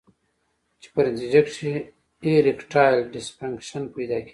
چې پۀ نتېجه کښې ايريکټائل ډسفنکشن پېدا کيږي